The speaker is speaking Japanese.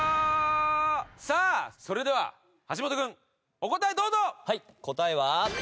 さあそれでは橋本君お答えどうぞ！